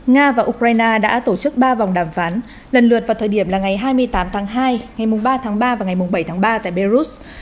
nga và ukraine đã tổ chức ba vòng đàm phán lần lượt vào thời điểm là ngày hai mươi tám tháng hai ngày ba tháng ba và ngày bảy tháng ba tại belarus